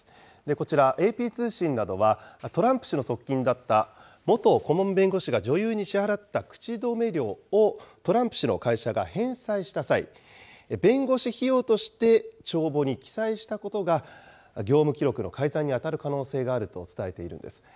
こちら、ＡＰ通信などは、トランプ氏の側近だった元顧問弁護士が女優に支払った口止め料を、トランプ氏の会社が返済した際、弁護士費用として帳簿に記載したことが、業務記録の改ざんにあたる可能性があると伝えているんです。